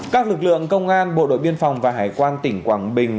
các lực lượng công an bộ đội biên phòng và hải quan tỉnh quảng bình